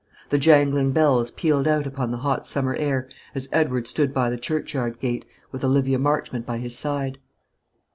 The jangling bells pealed out upon the hot summer air as Edward stood by the churchyard gate, with Olivia Marchmont by his side.